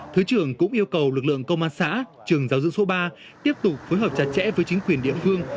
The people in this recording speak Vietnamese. thứ trưởng cũng yêu cầu lực lượng công an xã trường giáo dưỡng số ba tiếp tục phối hợp chặt chẽ với chính quyền địa phương